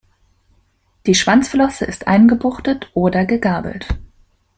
Die Schwanzflosse ist eingebuchtet oder gegabelt.